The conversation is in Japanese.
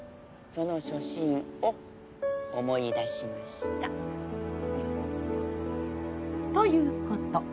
その初心を思い出しました。フフッということ。